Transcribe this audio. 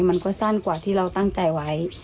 มันก็สั้นกว่าที่เราตั้งใจไว้